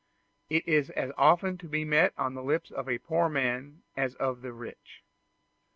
It is as often to be met with on the lips of the poor man as of the rich.